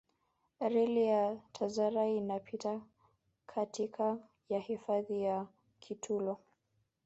reli ya tazara inapita katika ya hifadhi ya kitulo